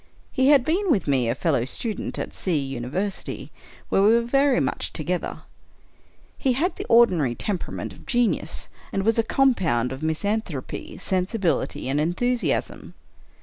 He had been with me a fellow student at C University, where we were very much together. He had the ordinary temperament of genius, and was a compound of misan thropy, sensibility, and enthusiasm.